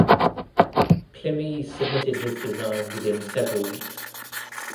Climie submitted his design within several weeks.